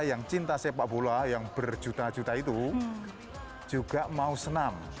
yang cinta sepak bola yang berjuta juta itu juga mau senam